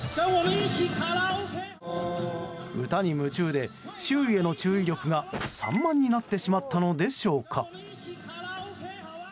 歌に夢中で、周囲の注意力が散漫になってしまったのでしょうか。